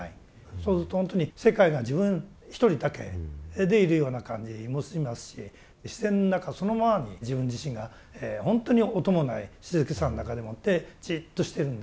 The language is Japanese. そうするとほんとに世界が自分一人だけでいるような感じもしますし自然の中そのままに自分自身がほんとに音もない静けさの中でもってじっとしてるんだ。